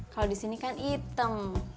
kalau di sini kan hitam